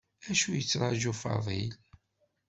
Acu yettṛaju Faḍil?